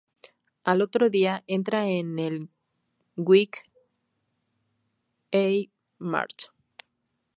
Al otro día, entra en el Kwik-e Mart.